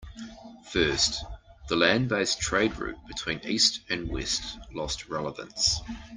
First, the land based trade route between east and west lost relevance.